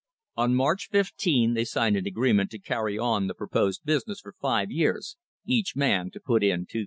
On March 15 they signed an agreement to carry on the proposed business for five years, each man to put in $2,000.